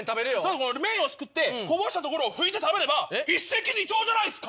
麺をすくってこぼしたところを拭いて食べれば一石二鳥じゃないっすか。